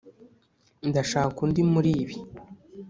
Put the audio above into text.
ndashaka undi muribi.